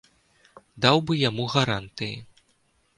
Даў бы яму гарантыі.